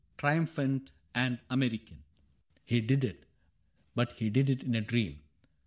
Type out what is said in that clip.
Triumphant, and American. He did it. But he did it in a dream.